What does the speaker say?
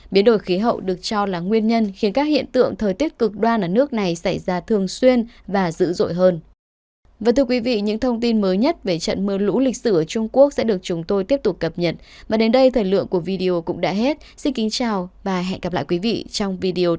biến đổi khí hậu được cho là nguyên nhân khiến các hiện tượng thời tiết cực đoan ở nước này xảy ra thường xuyên và dữ dội hơn